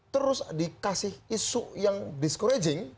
terus dikasih isu yang discouraging